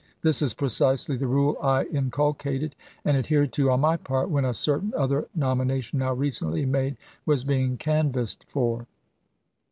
This is precisely the rule I inculcated and adhered to on my part when a certain other nomination now recently made was being 1864. ms. canvassed for.